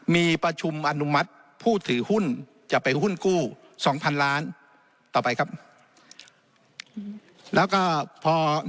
มีประชุมอนุมัติผู้ถือหุ้นจะไปหุ้นกู้๒๐๐๐ล้านต่อไปครับ